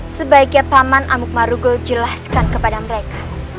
sebaiknya paman amuk marugo jelaskan kepada mereka